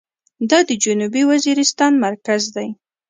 دا د جنوبي وزيرستان مرکز دى.